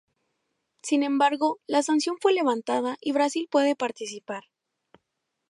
Sin embargo, la sanción fue levantada y Brasil puede participar.